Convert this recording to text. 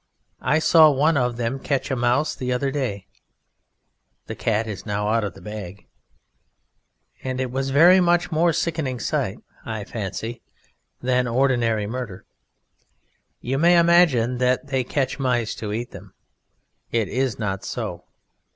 I saw one of Them catch a mouse the other day (the cat is now out of the bag), and it was a very much more sickening sight, I fancy, than ordinary murder. You may imagine that They catch mice to eat them. It is not so.